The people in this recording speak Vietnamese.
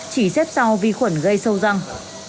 chỉ xếp sau vi khuẩn gây sâu răng